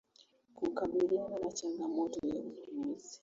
kukabiliana na changamoto ya ununuzi